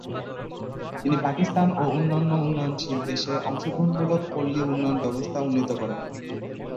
তিনি পাকিস্তান এবং অন্যান্য উন্নয়নশীল দেশে অংশগ্রহণমূলক পল্লী উন্নয়ন ব্যবস্থা উন্নীত করেন।